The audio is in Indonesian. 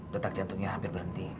letak jantungnya hampir berhenti